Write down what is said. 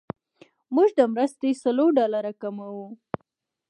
موږ د مرستې څلور ډالره کموو.